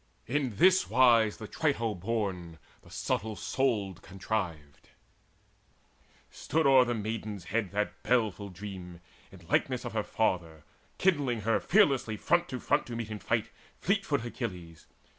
In this wise The Trito born, the subtle souled, contrived: Stood o'er the maiden's head that baleful dream In likeness of her father, kindling her Fearlessly front to front to meet in fight Fleetfoot Achilles.